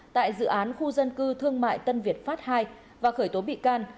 tại dự án khu dân cư thương mại tân việt phát hai và khởi tố bị can